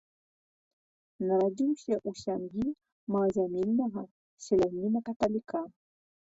Нарадзіўся ў сям'і малазямельнага селяніна-каталіка.